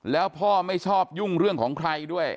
แล้วพ่อไม่ชอบยุ่งเรื่องของใครด้วย